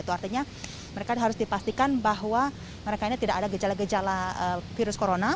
itu artinya mereka harus dipastikan bahwa mereka ini tidak ada gejala gejala virus corona